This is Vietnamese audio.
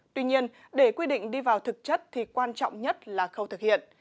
tuy nhiên để quy định đi vào thực chất thì quan trọng nhất là khâu thực hiện